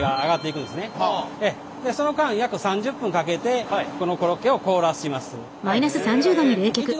でその間約３０分かけてこのコロッケを凍らします。